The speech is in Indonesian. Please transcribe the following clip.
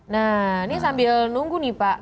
nah ini sambil nunggu nih pak